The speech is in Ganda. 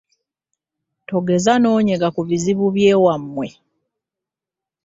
Togeza n'onyega ku bizibu by'ewammwe.